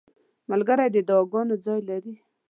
ملګری د دعاګانو ځای لري.